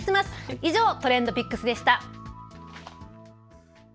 以上、ＴｒｅｎｄＰｉｃｋｓでした。